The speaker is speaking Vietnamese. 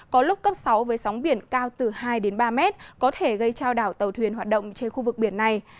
có lúc cấp sáu với sóng biển cao từ hai đến ba mét có thể gây trao đảo tàu thuyền hoạt động trên khu vực biển này